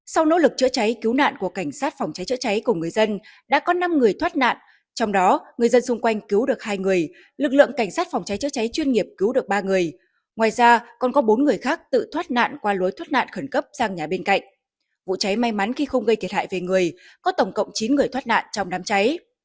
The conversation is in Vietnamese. sau nỗ lực chữa cháy cứu nạn của cảnh sát phòng cháy chữa cháy cùng người dân đã có năm người thoát nạn trong đó người dân xung quanh cứu được hai người lực lượng cảnh sát phòng cháy chữa cháy chuyên nghiệp cứu được ba người ngoài ra còn có bốn người khác tự thoát nạn qua lối thoát nạn khẩn cấp sang nhà bên cạnh vụ cháy may mắn khi không gây thiệt hại về người có tổng cộng chín người thoát nạn trong đám cháy